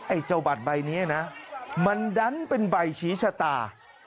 ไอ้เจ้าบัตรใบนี้นะมันดันเป็นใบชี้ชะตา